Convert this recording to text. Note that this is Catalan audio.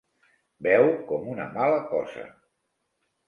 Beu com una mala cosa.